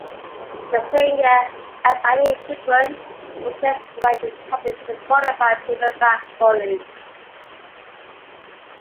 The same year, "Asahi Shinbun" purchased the right to publish the forty-five paperback volumes.